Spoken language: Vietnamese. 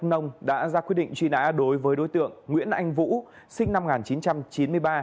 nông đã ra quyết định truy nã đối với đối tượng nguyễn anh vũ sinh năm một nghìn chín trăm chín mươi ba